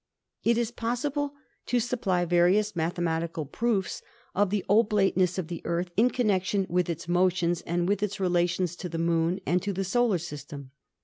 It is possible to supply various mathematical proofs of the oblateness of the Earth in connection with its motions and with its relations to the Moon and to the solar system.